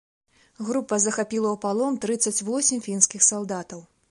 Група захапіла ў палон трыццаць восем фінскіх салдатаў.